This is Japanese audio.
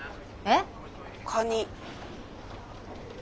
えっ？